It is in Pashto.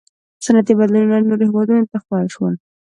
• صنعتي بدلونونه نورو هېوادونو ته خپاره شول.